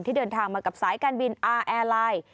เดินทางมากับสายการบินอาร์แอร์ไลน์